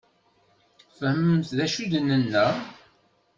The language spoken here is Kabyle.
Tfehmemt d acu i d-nenna?